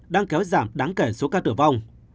đang kéo giảm đáng kể số ca tử vong